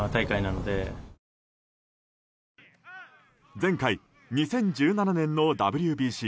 前回、２０１７年のＷＢＣ。